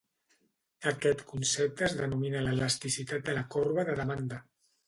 Aquest concepte es denomina l'elasticitat de la corba de demanda.